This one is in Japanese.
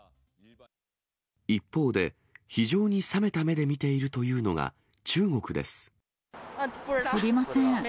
一方で、非常に冷めた目で見ているというのが、中国です。